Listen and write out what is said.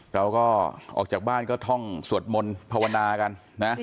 เราก็ออกจากบ้านก็ท่องสวดมนต์ภาวนากันนะ